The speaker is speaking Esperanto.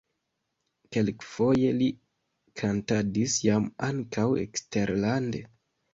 Kelkfoje li kantadis jam ankaŭ eksterlande.